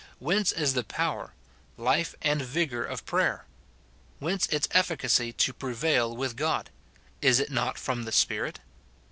Whence is the power, life, and vigour of prayer ? whence its effi cacy to prevail with God ? Is it not from the Spirit